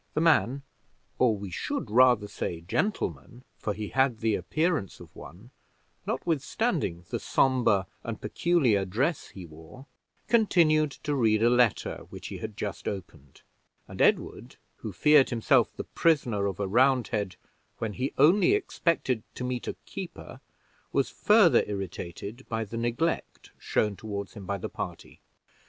The man, or we should rather say gentleman for he had the appearance of one, notwithstanding the somber and peculiar dress he wore, continued to read a letter which he had just opened; and Edward, who feared himself the prisoner of a Roundhead, when he only expected to meet a keeper, was further irritated by the neglect shown toward him by the party.